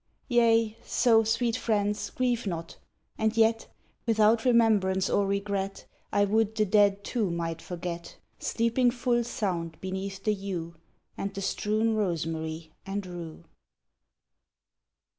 Yea, so, sweet friends, grieve not, — and yet, Without remembrance or regret I would the dead too might forget, Sleeping full sound beneath the yew, And the strewn rosemary and rue.